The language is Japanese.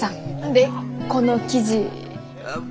でこの記事。